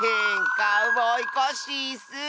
カウボーイコッシーッス。